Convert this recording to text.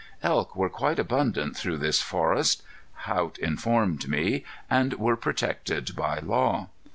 Elk were quite abundant through this forest, Haught informed me, and were protected by law.